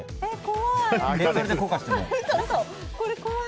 怖い。